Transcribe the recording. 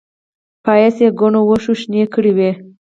پايڅې يې ګڼو وښو شنې کړې وې.